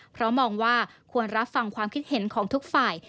เพราะมองว่าควรรับฟังความคิดเห็นของทุกฝ่าย